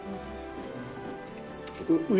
上？